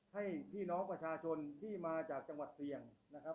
ให้พี่น้องประชาชนที่มาจากจังหวัดเสียง